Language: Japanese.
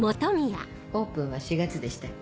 オープンは４月でしたっけ？